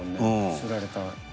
刷られた。